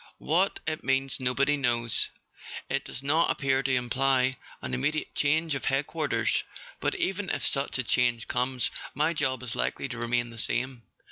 What it means nobody knows. It does not appear to imply an immediate change of Head¬ quarters; but even if such a change comes, my job is likely to remain the same.